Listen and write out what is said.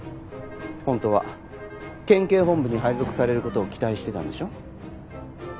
本当は県警本部に配属される事を期待してたんでしょう？